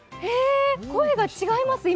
声が今と違います。